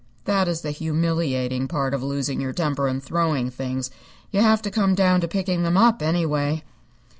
That is the humiliating part of losing your temper and throwing things. You have to come down to picking them up, anyway.